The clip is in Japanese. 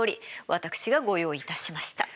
私がご用意いたしました。